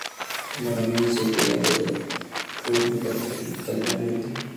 د مورنۍ ژبې وده د ټول ملت د پرمختګ لامل دی.